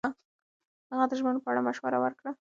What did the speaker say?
هغه د ژمنو په اړه مشوره ورکړه.